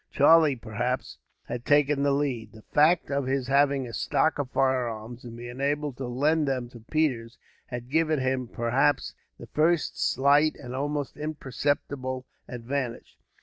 Charlie, perhaps, had taken the lead. The fact of his having a stock of firearms, and being able to lend them to Peters, had given him, perhaps, the first slight and almost imperceptible advantage.